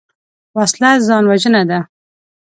وسله ځان وژنه ده